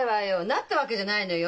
なったわけじゃないのよ。